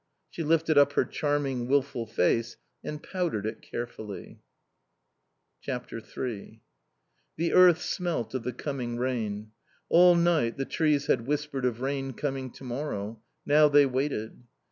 She lifted up her charming, wilful face and powdered it carefully. iii The earth smelt of the coming rain. All night the trees had whispered of rain coming to morrow. Now they waited.